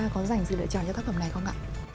có dành sự lựa chọn cho tác phẩm này không ạ